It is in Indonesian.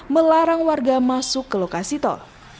melarang warga masuk ke lokasi tol